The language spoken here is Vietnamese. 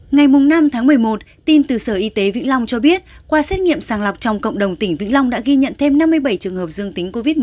ngày năm tháng một mươi một tin từ sở y tế vĩnh long cho biết qua xét nghiệm sàng lọc trong cộng đồng tỉnh vĩnh long đã ghi nhận thêm năm mươi bảy trường hợp dương tính covid một mươi chín